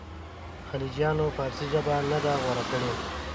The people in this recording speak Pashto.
خلجیانو فارسي ژبه نه ده غوره کړې.